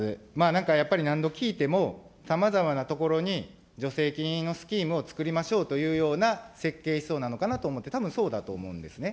なんかやっぱり、何度聞いても、さまざまなところに助成金のスキームをつくりましょうというような設計思想なのかなと思って、たぶん、そうだと思うんですね。